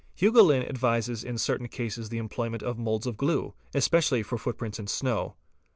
Hugoulin advises in certain cases the employment of moulds of glue, especially for footprints in snow.